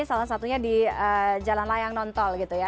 salah satunya di jalan layang non toll gitu ya